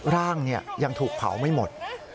ร่างยังถูกเผาไม่หมด